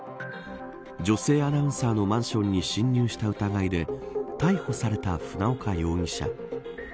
女性アナウンサーのマンションに侵入した疑いで逮捕された船岡容疑者。